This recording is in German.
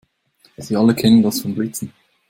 Sie alle kennen das von Blitzen.